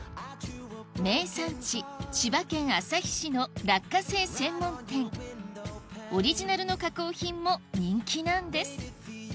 名産地千葉県旭市の落花生専門店オリジナルの加工品も人気なんです